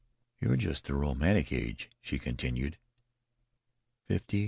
"You're just the romantic age," she continued "fifty.